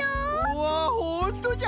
うわほんとじゃ。